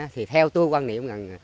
thì theo tôi quan niệm là